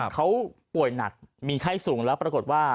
เขาป่วยหนักมีไข้สูงแล้วปรากฏว่า